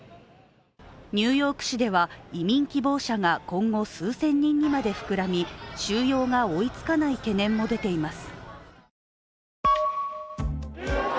ニューヨーク市では移民希望者が今後、数千人にまで膨らみ収容が追いつかない懸念も出ています。